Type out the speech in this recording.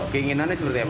keinginannya seperti apa